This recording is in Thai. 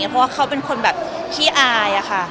เพราะว่าเขาเป็นคนแบบขี้อายค่ะ